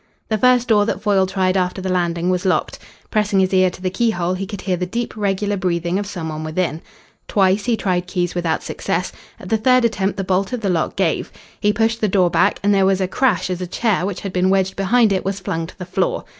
The first door that Foyle tried after the landing was locked. Pressing his ear to the keyhole, he could hear the deep, regular breathing of some one within. Twice he tried keys without success. At the third attempt the bolt of the lock gave. He pushed the door back and there was a crash as a chair which had been wedged behind it was flung to the floor.